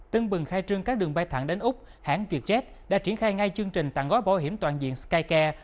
tân bừng khai trương các đường bay thẳng đến úc hãng vietjet đã triển khai ngay chương trình tặng gói bảo hiểm toàn diện skycare